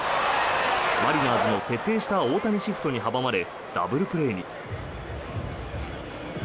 マリナーズの徹底した大谷シフトに阻まれダブルプレーに。